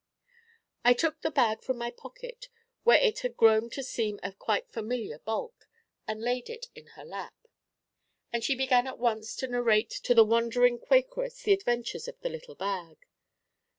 I took the bag from my pocket, where it had grown to seem a quite familiar bulk, and laid it in her lap, and she began at once to narrate to the wondering Quakeress the adventures of the little bag.